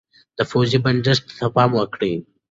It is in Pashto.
د پوزې بندښت ته پام وکړئ.